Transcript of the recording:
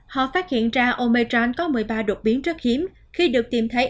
họ phát hiện ra omejan có một mươi ba đột biến rất hiếm khi được tìm thấy